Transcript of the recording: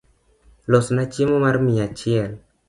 Losna chiemo mar mia achiel